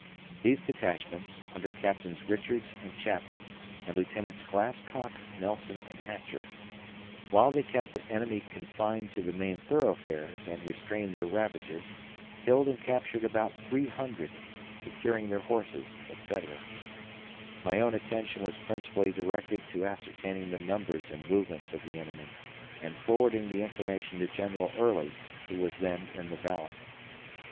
These detachments under Captains Richards and Chapman and Lieutenants Glasscock, Nelson, and Hatcher while they kept the enemy confined to the main thoroughfares and restrained their ravages, killed and captured about 300, securing their horses, etc. My own attention was principally directed to ascertaining the numbers and movements of the enemy and forwarding the information to General Early, who was then in the Valley.